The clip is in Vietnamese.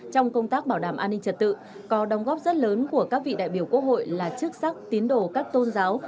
trong công tác bảo đảm an ninh trật tự có đồng góp rất lớn của các vị đại biểu quốc hội là chức sắc tín đồ các tôn giáo